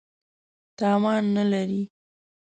توان نه لري.